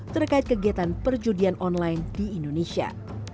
terkait kegiatan perjudian online di indonesia